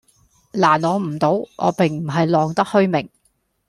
難我唔到，我並唔係浪得虛名